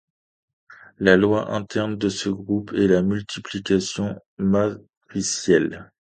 La loi interne de ce groupe est la multiplication matricielle.